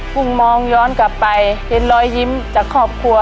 กุ้งมองย้อนกลับไปเห็นรอยยิ้มจากครอบครัว